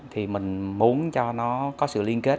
thì mình muốn cho nó có sự liên kết